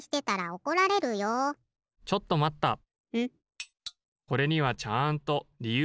・これにはちゃんとりゆうがあるんです。